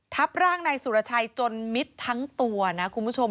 ทับร่างนายสุรชัยจนมิดทั้งตัวนะคุณผู้ชม